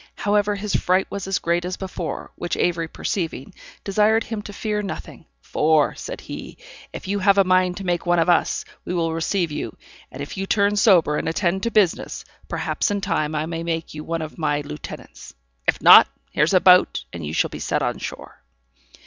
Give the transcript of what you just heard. However, his fright was as great as before, which Avery perceiving, desired him to fear nothing; "for," said he, "if you have a mind to make one of us, we will receive you; and if you turn sober, and attend to business, perhaps in time I may make you one of my lieutenants; if not, here's a boat, and you shall be set on shore."